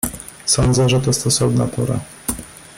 "Sądzę, że to stosowna pora."